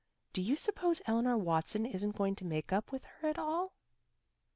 Do you suppose Eleanor Watson isn't going to make up with her at all?"